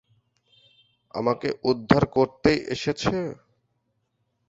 আমাকে উদ্ধার করতেই এসেছো।